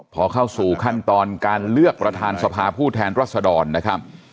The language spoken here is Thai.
พอเข้าสู่ขั้นตอนการเลือกประธานสภาผู้แทนรัศดรนะครับ